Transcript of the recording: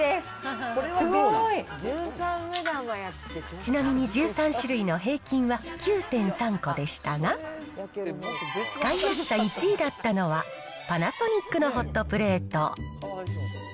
ちなみに、１３種類の平均は９．３個でしたが、使いやすさ１位だったのは、パナソニックのホットプレート。